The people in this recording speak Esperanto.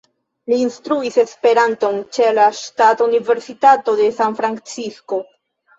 Li instruis Esperanton ĉe la Ŝtata Universitato de San-Francisko.